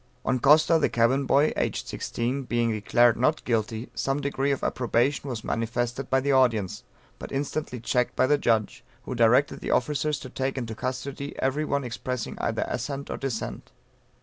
On Costa, the cabin boy, (aged 16) being declared "Not Guilty" some degree of approbation was manifested by the audience, but instantly checked by the judge, who directed the officers to take into custody, every one expressing either assent or dissent.